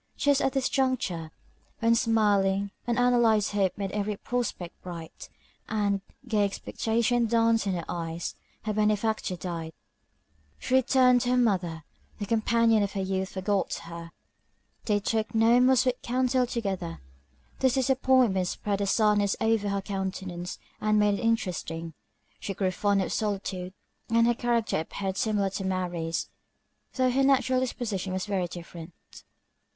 Just at this juncture, when smiling, unanalyzed hope made every prospect bright, and gay expectation danced in her eyes, her benefactor died. She returned to her mother the companion of her youth forgot her, they took no more sweet counsel together. This disappointment spread a sadness over her countenance, and made it interesting. She grew fond of solitude, and her character appeared similar to Mary's, though her natural disposition was very different.